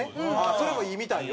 それもいいみたいよ。